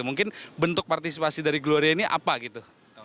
mungkin bentuk partisipasi dari gloria ini apa gitu